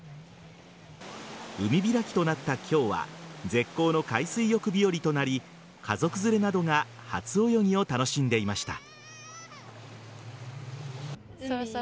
海開きとなった今日は絶好の海水浴日和となり家族連れなどが初泳ぎを楽しんでいました。